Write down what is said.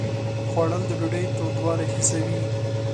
خوړل د ډوډۍ تودوالی حسوي